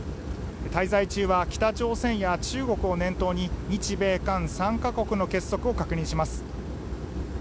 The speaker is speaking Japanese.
滞在中は北朝鮮や中国を念頭に日米韓３か国の結束を確認します。